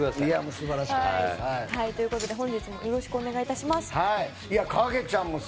素晴らしかったです。ということで本日もよろしくお願いします。